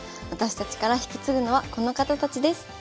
私たちから引き継ぐのはこの方たちです。